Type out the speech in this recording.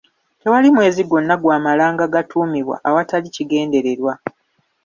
Tewali mwezi gwonna gwamalanga gatuumibwa awatali kigendererwa.